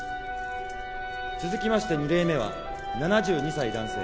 続きまして２例目は７２歳男性。